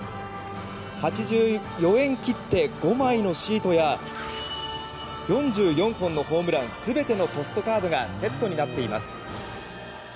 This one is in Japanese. ８４円切手５枚のシートや４４本のホームラン全てのポストカードがセットになっています。